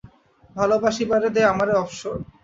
ভালোবাসিবারে দে আমারে অবসর।